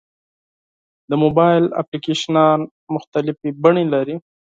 د موبایل اپلیکیشنونه مختلفې بڼې لري.